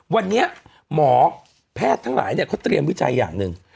วันนี้หมอแพทย์ทั้งหลายเขาเตรียมวิจัยอย่างหนึ่ง